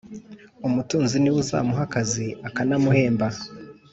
umutunzi ni we uzamuha akazi akanamuhemba,